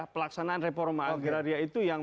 pelaksanaan reforma agraria itu yang